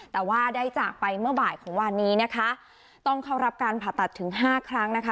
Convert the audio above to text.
แต่ว่าได้จากไปเมื่อบ่ายของวันนี้นะคะต้องเข้ารับการผ่าตัดถึงห้าครั้งนะคะ